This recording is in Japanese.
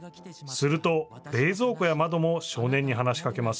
すると冷蔵庫や窓も少年に話しかけます。